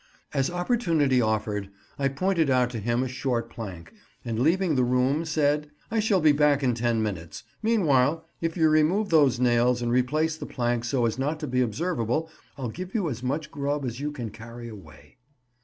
As opportunity offered, I pointed out to him a short plank, and leaving the room, said, "I shall be back in ten minutes; meanwhile, if you remove those nails, and replace the plank so as not to be observable, I'll give you as much grub as you can carry away."